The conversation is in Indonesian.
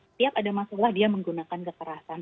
setiap ada masalah dia menggunakan kekerasan